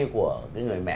của cái người mẹ